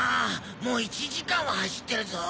もう１時間は走ってるぞ。